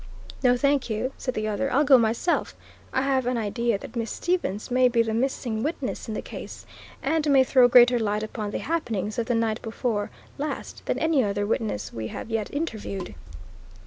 "No, thank you," said the other. "I'll go myself. I have an idea that Miss Stevens may be the missing witness in the case and may throw greater light upon the happenings of the night before last than any other witness we have yet interviewed."